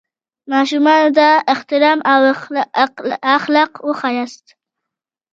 ماشومانو ته احترام او اخلاق وښیاست.